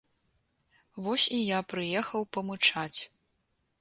Вось і я прыехаў памычаць.